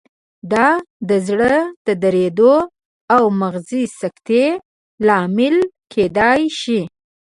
دا د زړه د دریدو او مغزي سکتې لامل کېدای شي.